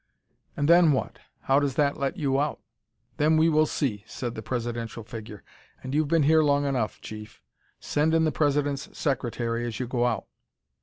"And then what? How does that let you out?" "Then we will see," said the presidential figure. "And you've been here long enough, Chief. Send in the President's secretary as you go out."